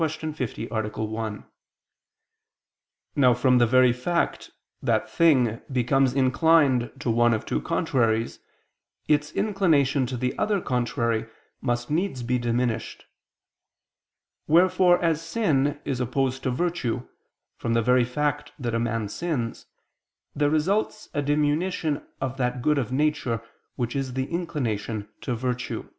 50, A. 1). Now from the very fact that thing becomes inclined to one of two contraries, its inclination to the other contrary must needs be diminished. Wherefore as sin is opposed to virtue, from the very fact that a man sins, there results a diminution of that good of nature, which is the inclination to virtue.